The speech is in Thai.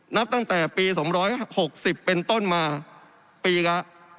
นับตั้งแต่ปี๒๖๐เป็นต้นมาปีละ